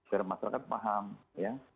biar masyarakat paham ya